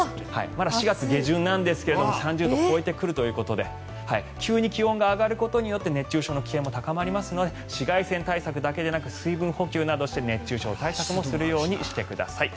まだ４月下旬ですが３０度超えてくるということで急に気温が上がることによって熱中症の危険性も高まりますので紫外線対策だけでなく水分補給などして、熱中症対策もするようにしてください。